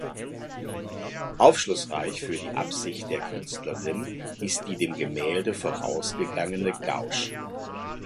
Aufschlussreich für die Absicht der Künstlerin ist die dem Gemälde vorausgegangene Gouache.